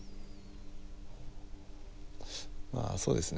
まあそうですね。